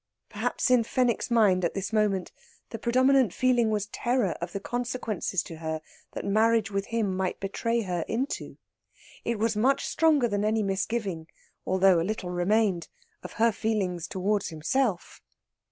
Perhaps in Fenwick's mind at this moment the predominant feeling was terror of the consequences to her that marriage with him might betray her into. It was much stronger than any misgiving (although a little remained) of her feelings toward himself.